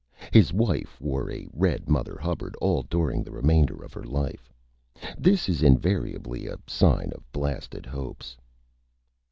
His Wife wore a red Mother Hubbard all during the Remainder of her Life. This is invariably a Sign of Blasted Hopes.